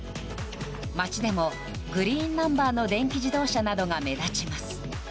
街でもグリーンナンバーの電気自動車などが目立ちます。